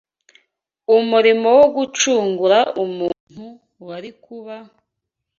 Umurimo wo gucungura umuntu wari kuba